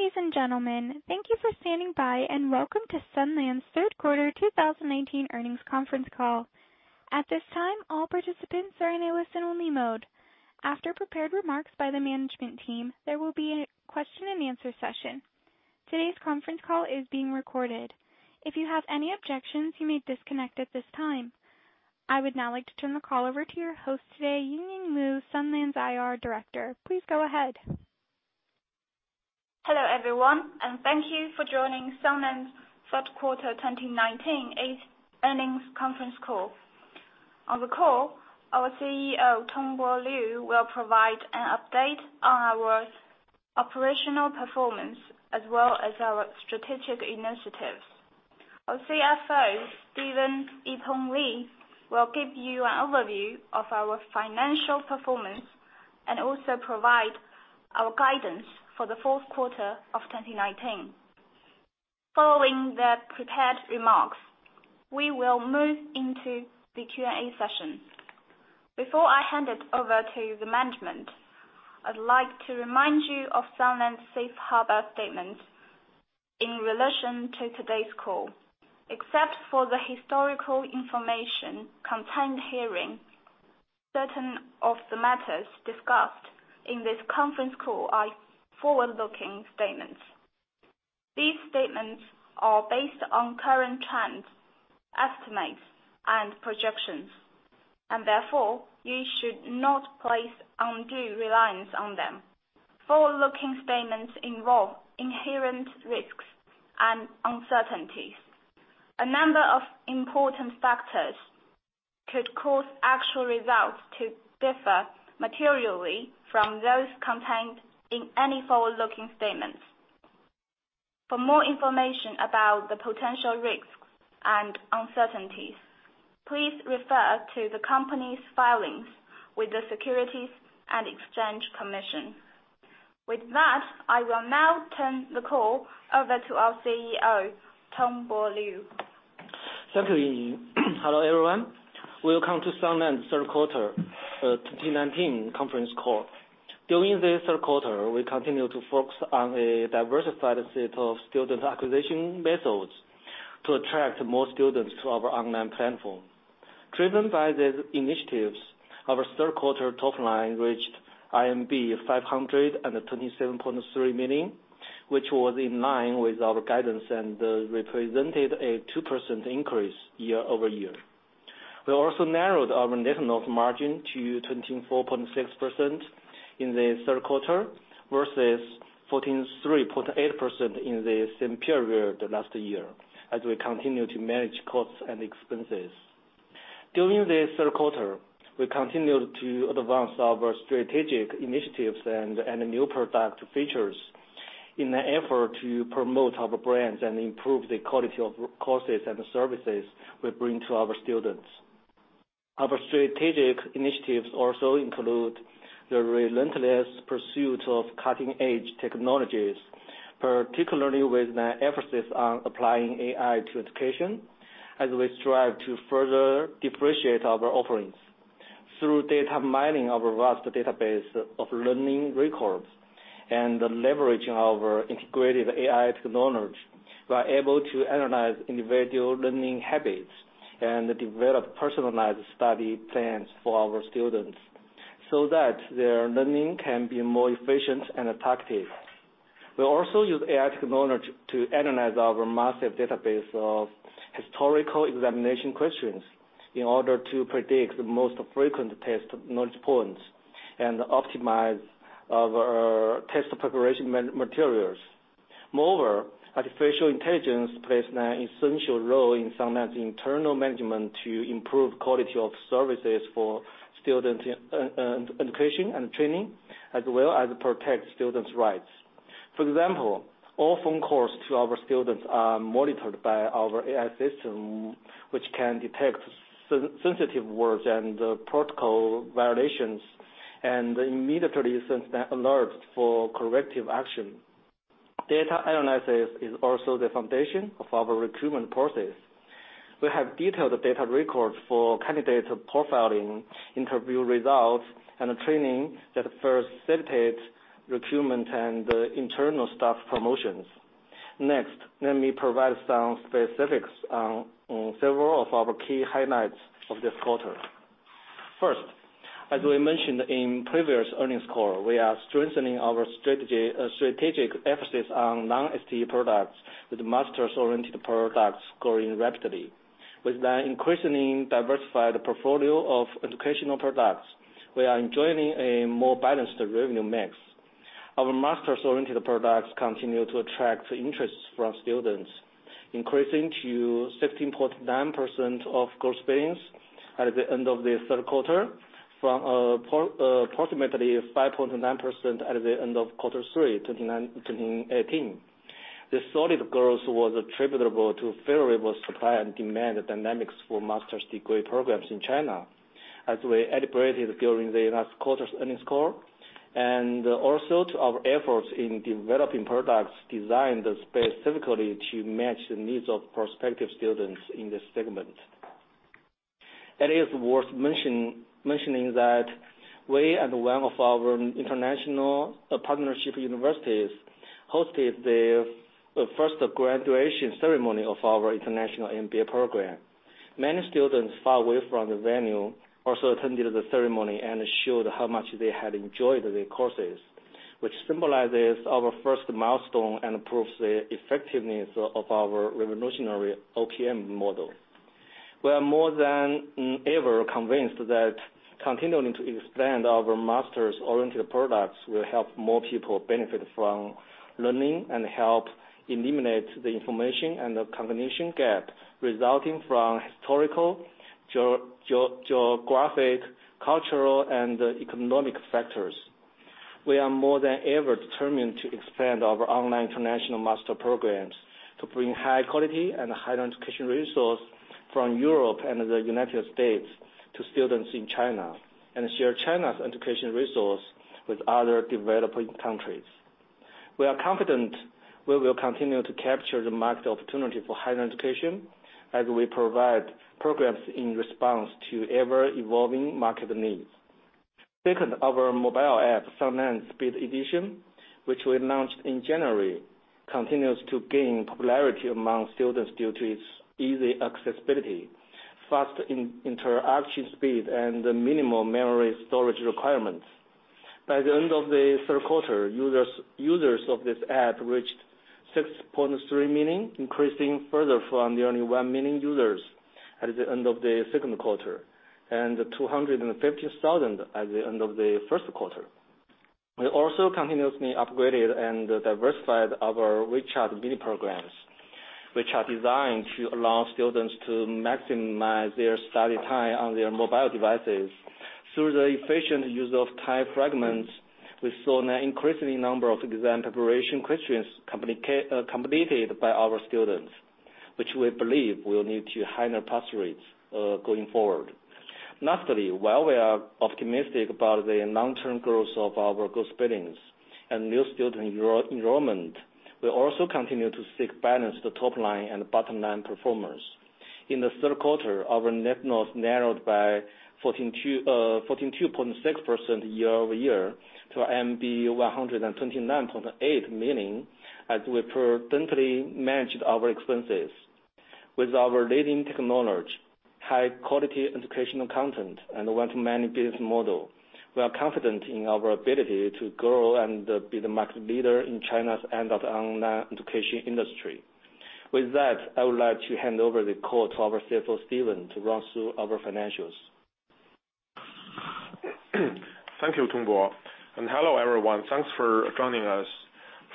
Ladies and gentlemen, thank you for standing by and welcome to Sunlands' third quarter 2019 earnings conference call. At this time, all participants are in a listen-only mode. After prepared remarks by the management team, there will be a question-and-answer session. Today's conference call is being recorded. If you have any objections, you may disconnect at this time. I would now like to turn the call over to your host today, Yingying Liu, Sunlands' IR Director. Please go ahead. Hello, everyone, thank you for joining Sunlands' third quarter 2019 earnings conference call. On the call, our CEO, Tongbo Liu, will provide an update on our operational performance as well as our strategic initiatives. Our CFO, Steven Yipeng Li, will give you an overview of our financial performance and also provide our guidance for the fourth quarter of 2019. Following the prepared remarks, we will move into the Q&A session. Before I hand it over to the management, I'd like to remind you of Sunlands' Safe Harbor statement in relation to today's call. Except for the historical information contained herein, certain of the matters discussed in this conference call are forward-looking statements. These statements are based on current trends, estimates, and projections, and therefore, you should not place undue reliance on them. Forward-looking statements involve inherent risks and uncertainties. A number of important factors could cause actual results to differ materially from those contained in any forward-looking statements. For more information about the potential risks and uncertainties, please refer to the company's filings with the Securities and Exchange Commission. With that, I will now turn the call over to our CEO, Tongbo Liu. Thank you, Yingying. Hello, everyone. Welcome to Sunlands' third quarter 2019 conference call. During this third quarter, we continued to focus on a diversified set of student acquisition methods to attract more students to our online platform. Driven by these initiatives, our third quarter top line reached 527.3 million, which was in line with our guidance and represented a 2% increase year-over-year. We also narrowed our net profit margin to 24.6% in the third quarter versus 143.8% in the same period last year, as we continue to manage costs and expenses. During this third quarter, we continued to advance our strategic initiatives and new product features in an effort to promote our brands and improve the quality of courses and services we bring to our students. Our strategic initiatives also include the relentless pursuit of cutting-edge technologies, particularly with an emphasis on applying AI to education as we strive to further differentiate our offerings. Through data mining of a vast database of learning records and the leverage of our integrated AI technology, we are able to analyze individual learning habits and develop personalized study plans for our students so that their learning can be more efficient and attractive. We also use AI technology to analyze our massive database of historical examination questions in order to predict the most frequent test knowledge points and optimize our test preparation materials. Moreover, artificial intelligence plays an essential role in Sunlands' internal management to improve quality of services for student education and training as well as protect students' rights. For example, all phone calls to our students are monitored by our AI system, which can detect sensitive words and protocol violations and immediately sends the alerts for corrective action. Data analysis is also the foundation of our recruitment process. We have detailed data records for candidate profiling, interview results, and training that facilitates recruitment and internal staff promotions. Next, let me provide some specifics on several of our key highlights of this quarter. First, as we mentioned in previous earnings call, we are strengthening our strategic emphasis on non-STE products, with masters-oriented products growing rapidly. With an increasingly diversified portfolio of educational products, we are enjoying a more balanced revenue mix. Our masters-oriented products continue to attract interest from students, increasing to 15.9% of course billings at the end of the third quarter from approximately 5.9% at the end of quarter 3 2018. The solid growth was attributable to favorable supply and demand dynamics for master's degree programs in China, as we elaborated during the last quarter's earnings call, and also to our efforts in developing products designed specifically to match the needs of prospective students in this segment. It is worth mentioning that we and one of our international partnership universities hosted the first graduation ceremony of our international MBA program. Many students far away from the venue also attended the ceremony and showed how much they had enjoyed the courses, which symbolizes our first milestone and proves the effectiveness of our revolutionary OPM model. We are more than ever convinced that continuing to expand our master's-oriented products will help more people benefit from learning and help eliminate the information and the combination gap resulting from historical, geographic, cultural, and economic factors. We are more than ever determined to expand our online international master programs to bring high quality and higher education resource from Europe and the United States to students in China, and share China's education resource with other developing countries. We are confident we will continue to capture the market opportunity for higher education as we provide programs in response to ever-evolving market needs. Second, our mobile app, Sunlands Speed Edition, which we launched in January, continues to gain popularity among students due to its easy accessibility, fast interaction speed, and the minimum memory storage requirements. By the end of the third quarter, users of this app reached 6.3 million, increasing further from the only 1 million users at the end of the second quarter, and 250,000 at the end of the first quarter. We also continuously upgraded and diversified our WeChat mini-programs, which are designed to allow students to maximize their study time on their mobile devices. Through the efficient use of time fragments, we saw an increasing number of exam preparation questions completed by our students, which we believe will lead to higher pass rates going forward. Lastly, while we are optimistic about the long-term growth of our gross billings and new student enrollment, we also continue to seek balance the top-line and bottom-line performance. In the third quarter, our net loss narrowed by 142.6% year-over-year to 129.8 million as we prudently managed our expenses. With our leading technology, high quality educational content, and one-to-many business model, we are confident in our ability to grow and be the market leader in China's adult online education industry. With that, I would like to hand over the call to our CFO, Steven, to run through our financials. Thank you, Tongbo. Hello, everyone. Thanks for joining us.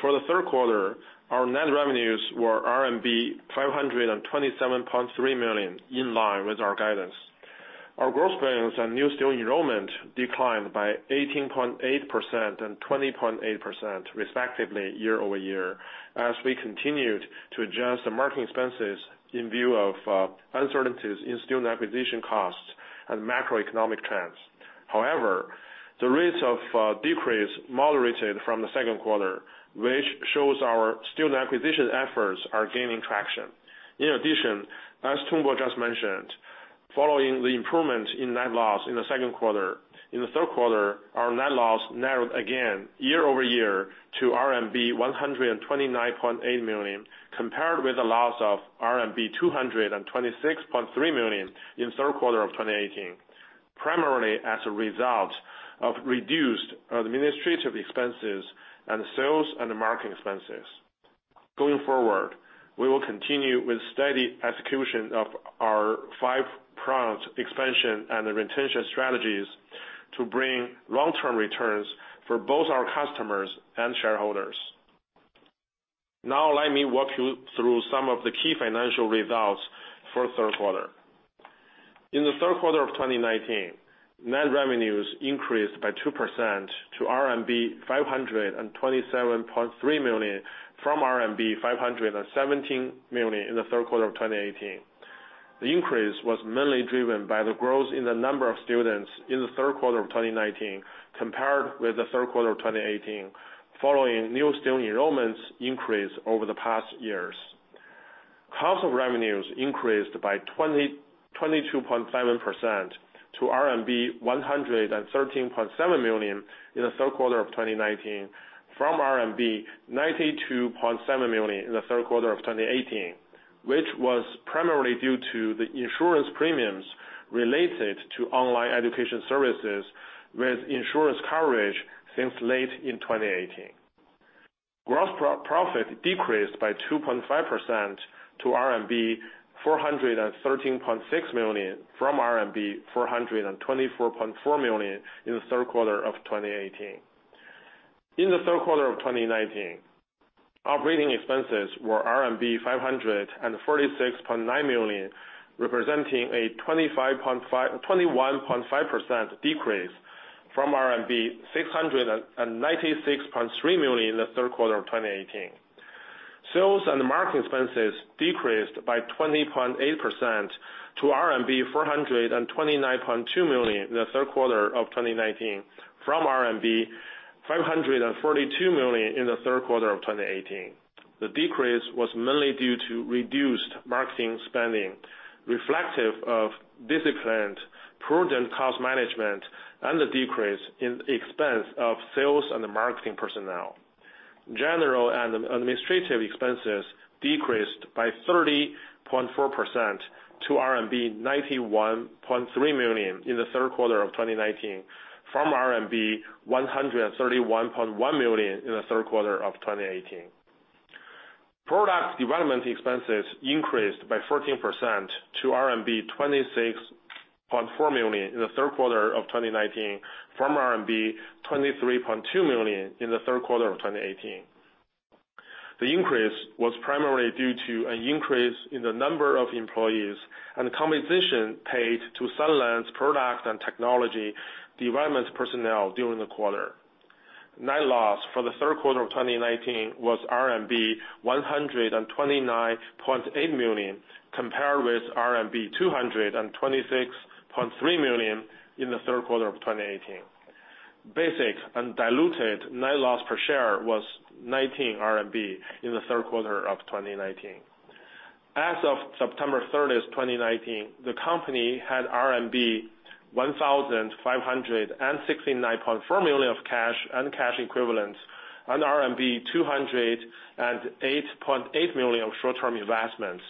For the third quarter, our net revenues were RMB 527.3 million, in line with our guidance. Our gross billings and new student enrollment declined by 18.8% and 20.8%, respectively, year-over-year, as we continued to adjust the marketing expenses in view of uncertainties in student acquisition costs and macroeconomic trends. The rates of decrease moderated from the second quarter, which shows our student acquisition efforts are gaining traction. As Tongbo just mentioned, following the improvement in net loss in the second quarter, in the third quarter, our net loss narrowed again year-over-year to RMB 129.8 million, compared with a loss of RMB 226.3 million in third quarter of 2018, primarily as a result of reduced administrative expenses and sales and marketing expenses. Going forward, we will continue with steady execution of our five prongs expansion and retention strategies to bring long-term returns for both our customers and shareholders. Now let me walk you through some of the key financial results for third quarter. In the third quarter of 2019, net revenues increased by 2% to RMB 527.3 million from RMB 517 million in the third quarter of 2018. The increase was mainly driven by the growth in the number of students in the third quarter of 2019 compared with the third quarter of 2018, following new student enrollments increase over the past years. Cost of revenues increased by 22.7% to RMB 113.7 million in the third quarter of 2019 from RMB 92.7 million in the third quarter of 2018, which was primarily due to the insurance premiums related to online education services with insurance coverage since late in 2018. Gross profit decreased by 2.5% to RMB 413.6 million from RMB 424.4 million in the third quarter of 2018. In the third quarter of 2019, operating expenses were RMB 546.9 million, representing a 21.5% decrease from RMB 696.3 million in the third quarter of 2018. Sales and marketing expenses decreased by 20.8% to RMB 429.2 million in the third quarter of 2019 from RMB 542 million in the third quarter of 2018. The decrease was mainly due to reduced marketing spending, reflective of disciplined prudent cost management and the decrease in expense of sales and the marketing personnel. General and administrative expenses decreased by 30.4% to RMB 91.3 million in the third quarter of 2019, from RMB 131.1 million in the third quarter of 2018. Product development expenses increased by 14% to RMB 26.4 million in the third quarter of 2019, from RMB 23.2 million in the third quarter of 2018. The increase was primarily due to an increase in the number of employees and the compensation paid to Sunlands product and technology development personnel during the quarter. Net loss for the third quarter of 2019 was RMB 129.8 million, compared with RMB 226.3 million in the third quarter of 2018. Basic and diluted net loss per share was 19 RMB in the third quarter of 2019. As of September 30th, 2019, the company had RMB 1,569.4 million of cash and cash equivalents, and RMB 208.8 million of short-term investments,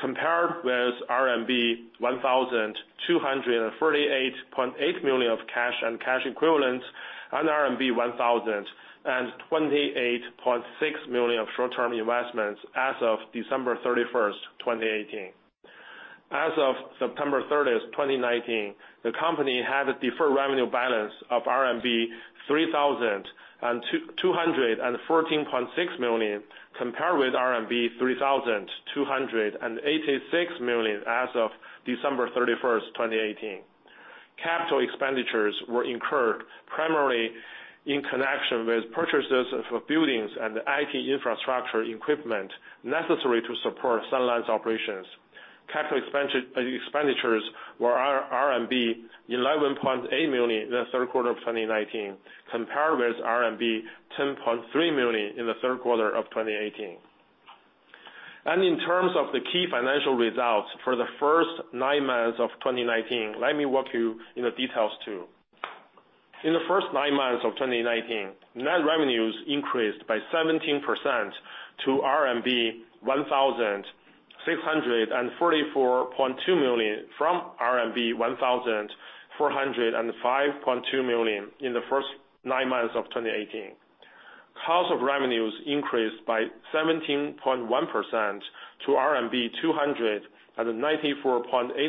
compared with RMB 1,238.8 million of cash and cash equivalents and RMB 1,028.6 million of short-term investments as of December 31st, 2018. As of September 30th, 2019, the company had a deferred revenue balance of RMB 3,214.6 million, compared with RMB 3,286 million as of December 31st, 2018. Capital expenditures were incurred primarily in connection with purchases of buildings and the IT infrastructure equipment necessary to support Sunlands operations. Capital expenditures were RMB 11.8 million in the third quarter of 2019, compared with RMB 10.3 million in the third quarter of 2018. In terms of the key financial results for the first nine months of 2019, let me walk you in the details too. In the first nine months of 2019, net revenues increased by 17% to RMB 1,644.2 million from RMB 1,405.2 million in the first nine months of 2018. Cost of revenues increased by 17.1% to RMB 294.8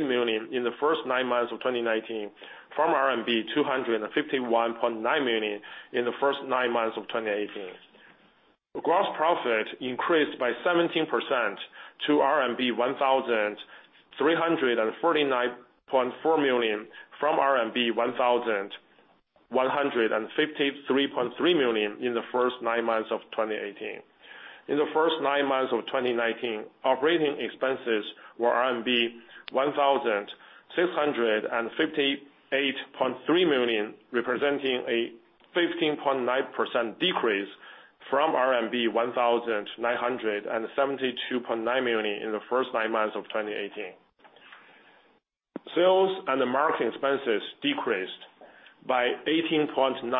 million in the first nine months of 2019, from RMB 251.9 million in the first nine months of 2018. The gross profit increased by 17% to RMB 1,349.4 million from RMB 1,153.3 million in the first nine months of 2018. In the first nine months of 2019, operating expenses were RMB 1,658.3 million, representing a 15.9% decrease from RMB 1,972.9 million in the first nine months of 2018. Sales and the marketing expenses decreased by 18.9%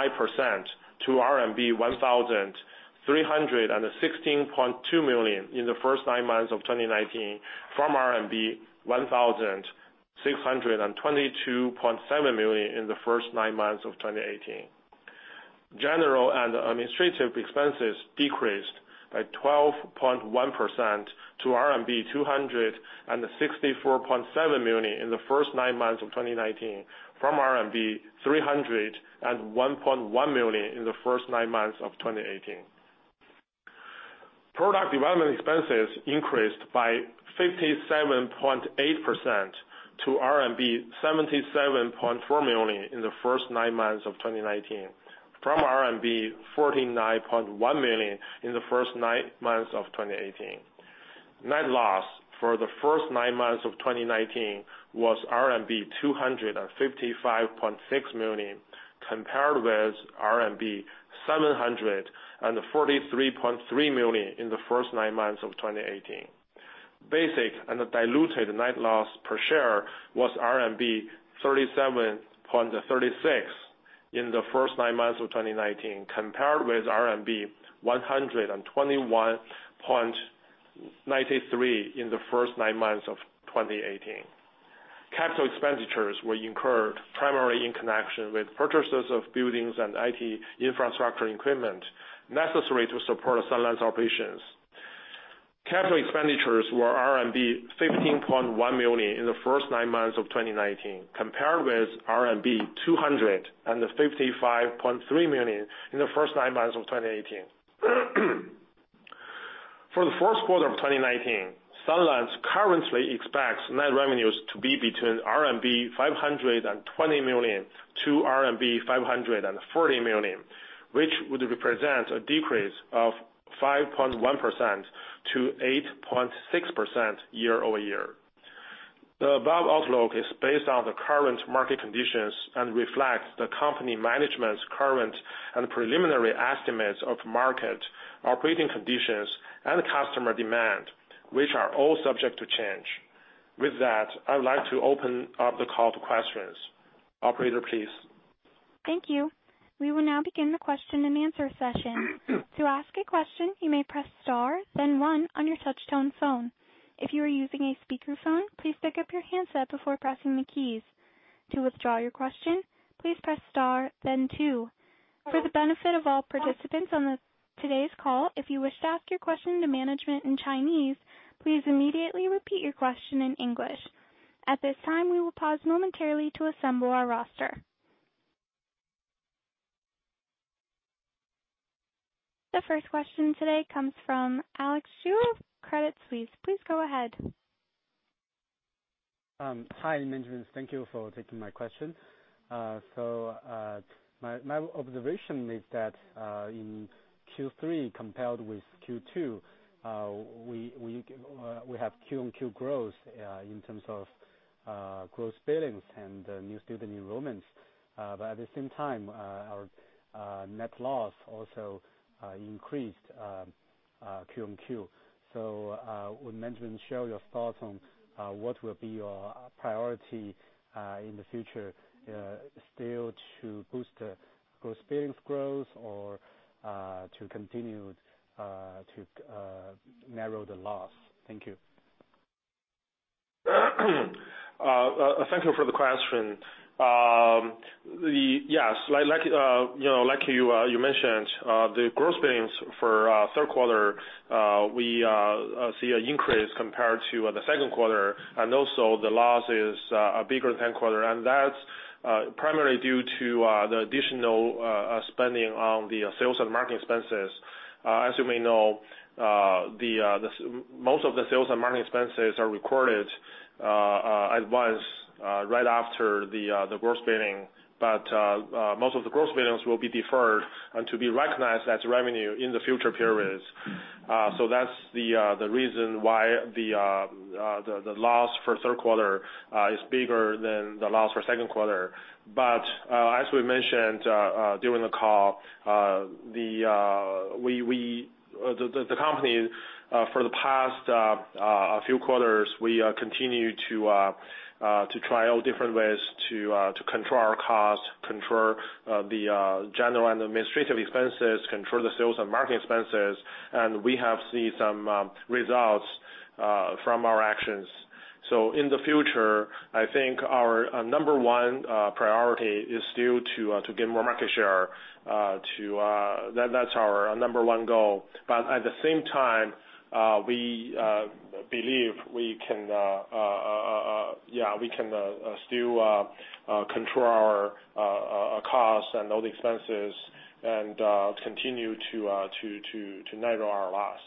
to RMB 1,316.2 million in the first nine months of 2019, from RMB 1,622.7 million in the first nine months of 2018. General and administrative expenses decreased by 12.1% to RMB 264.7 million in the first nine months of 2019, from RMB 301.1 million in the first nine months of 2018. Product development expenses increased by 57.8% to RMB 77.4 million in the first nine months of 2019, from RMB 49.1 million in the first nine months of 2018. Net loss for the first nine months of 2019 was RMB 255.6 million, compared with RMB 743.3 million in the first nine months of 2018. Basic and diluted net loss per share was RMB 37.36 in the first nine months of 2019, compared with RMB 121.93 in the first nine months of 2018. Capital expenditures were incurred primarily in connection with purchases of buildings and IT infrastructure equipment necessary to support Sunlands operations. CapEx were RMB 15.1 million in the first nine months of 2019, compared with RMB 255.3 million in the first nine months of 2018. For the first quarter of 2019, Sunlands currently expects net revenues to be between 520 million-540 million RMB, which would represent a decrease of 5.1%-8.6% year-over-year. The above outlook is based on the current market conditions and reflects the company management's current and preliminary estimates of market operating conditions and customer demand, which are all subject to change. With that, I would like to open up the call to questions. Operator, please. Thank you. We will now begin the question-and-answer session. To ask a question, you may press star then one on your touch-tone phone. If you are using a speakerphone, please pick up your handset before pressing the keys. To withdraw your question, please press star then two. For the benefit of all participants on today's call, if you wish to ask your question to management in Chinese, please immediately repeat your question in English. At this time, we will pause momentarily to assemble our roster. The first question today comes from Alex Xie, Credit Suisse. Please go ahead. Hi, management. Thank you for taking my question. My observation is that in Q3 compared with Q2, we have quarter-on-quarter growth in terms of gross billings and new student enrollments. At the same time, our net loss also increased quarter-on-quarter. Would management share your thoughts on what will be your priority in the future still to boost gross billings growth or to continue to narrow the loss? Thank you. Thank you for the question. Yes, like you mentioned, the gross billings for our third quarter, we see an increase compared to the second quarter. Also, the loss is bigger than quarter. That's primarily due to the additional spending on the sales and marketing expenses. As you may know, most of the sales and marketing expenses are recorded at once right after the gross billing. Most of the gross billings will be deferred and to be recognized as revenue in the future periods. That's the reason why the loss for the third quarter is bigger than the loss for the second quarter. As we mentioned during the call, the company for the past few quarters, we continue to try out different ways to control our cost, control the general and administrative expenses, control the sales and marketing expenses, and we have seen some results from our actions. In the future, I think our number one priority is still to gain more market share. That's our number one goal. At the same time, we believe we can still control our costs and all the expenses and continue to narrow our loss.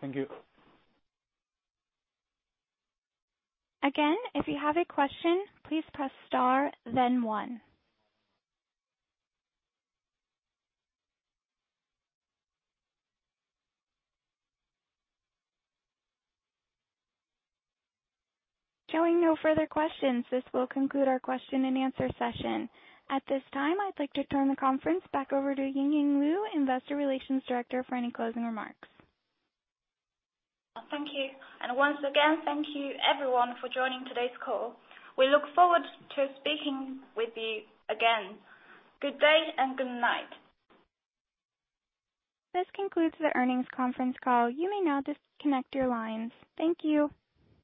Thank you. Again, if you have a question, please press star then one. Showing no further questions, this will conclude our question-and-answer session. At this time, I'd like to turn the conference back over to Yingying Liu, Investor Relations Director, for any closing remarks. Thank you. Once again, thank you everyone for joining today's call. We look forward to speaking with you again. Good day and good night. This concludes the earnings conference call. You may now disconnect your lines. Thank you.